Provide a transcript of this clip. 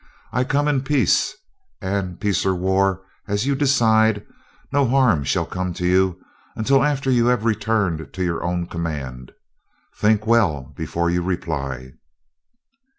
I come in peace and, peace or war as you decide, no harm shall come to you, until after you have returned to your own command. Think well before you reply."